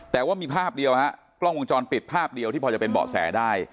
แต่ว่ามีภาพเดียวฮะกล้องวงจรปิดภาพเดียวที่พอจะเป็นเบาะแสได้